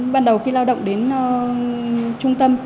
ban đầu khi lao động đến trung tâm